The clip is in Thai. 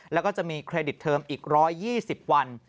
แล้วก็จะมีเครดิตเทอมอีก๑๒๐วัน